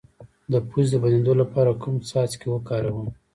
د پوزې د بندیدو لپاره کوم څاڅکي وکاروم؟